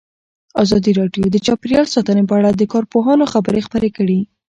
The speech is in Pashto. ازادي راډیو د چاپیریال ساتنه په اړه د کارپوهانو خبرې خپرې کړي.